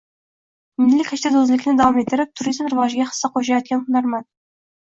Milliy kashtado‘zlikni davom ettirib, turizm rivojiga hissa qo‘shayotgan hunarmand